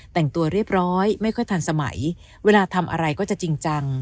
แต่งตัวเรียบร้อยไม่ค่อยทันสมัยเวลาทำอะไรก็จะจริงจัง